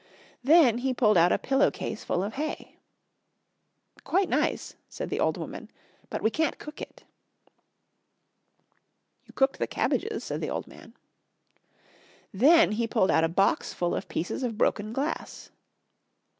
Then he pulled out a pillow case full of hay. "Quite nice," said the old woman, "but we can't cook it." "You cooked the cabbages," said the old man. Then he pulled out a box full of pieces of broken glass.